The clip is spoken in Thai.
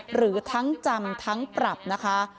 หรือทั้งจำทั้งปรับนะคะ